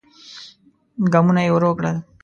ګامونه يې ورو کړل.